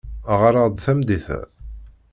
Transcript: Ɣer-aɣ-d tameddit-a.